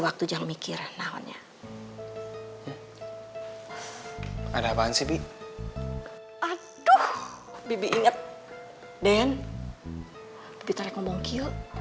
waktu jangan mikir naonnya ada apaan sih bibi aduh bibi inget den bibit teriak ngomong kio